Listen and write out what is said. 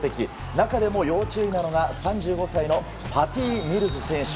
中でも要注意なのが３５歳のパティ・ミルズ選手。